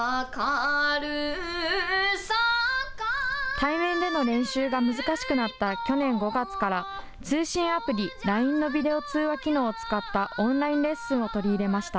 対面での練習が難しくなった去年５月から、通信アプリ、ＬＩＮＥのビデオ通話機能を使ったオンラインレッスンを取り入れました。